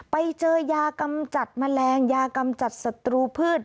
ไปเจอยากำจัดแมลงยากำจัดศัตรูพืช